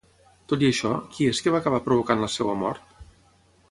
Tot i això, qui és que va acabar provocant la seva mort?